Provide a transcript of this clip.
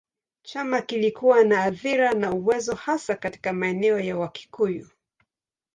Chama kilikuwa na athira na uwezo hasa katika maeneo ya Wakikuyu.